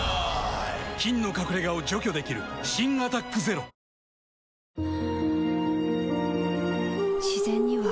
菌の隠れ家を除去できる新「アタックＺＥＲＯ」はい。